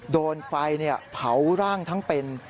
โดนไฟเผาร่างทั้งเป็น